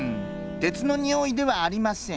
てつのにおいではありません！